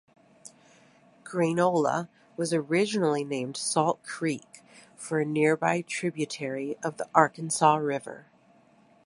Grainola was originally named Salt Creek for a nearby tributary of the Arkansas River.